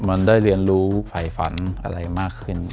มันได้เรียนรู้ฝ่ายฝันอะไรมากขึ้น